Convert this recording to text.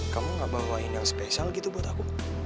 kamu gak bawain yang spesial gitu buat aku